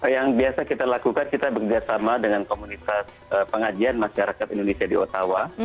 yang biasa kita lakukan kita bekerjasama dengan komunitas pengajian masyarakat indonesia di ottawa